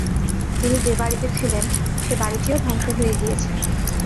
তিনি যে বাড়িতে ছিলেন সে বাড়িটিও ধ্বংস হয়ে গিয়েছে।